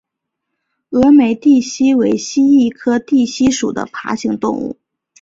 峨眉地蜥为蜥蜴科地蜥属的爬行动物。